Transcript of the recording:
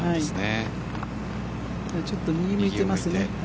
ちょっと右に向いてますね。